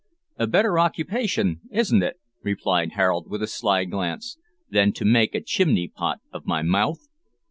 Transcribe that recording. "A better occupation, isn't it," replied Harold, with a sly glance, "than to make a chimney pot of my mouth?"